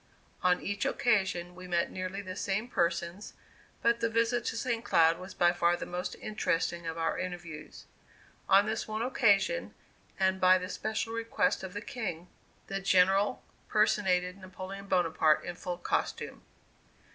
On each occasion we met nearly the same persons, but the visit to St. Cloud was by far the most interesting of our interviews. On this one occasion, and by the special request of the King, the General personated Napoleon Bonaparte in full costume.